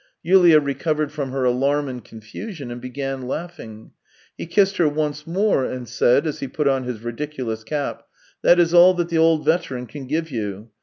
Yulia recovered from her alarm and confusion, and began laughing. He kissed her once more and said, as he put on his ridiculous cap: " That is all that the old veteran can give you.